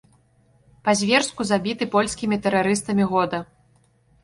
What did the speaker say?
Па-зверску забіты польскімі тэрарыстамі года.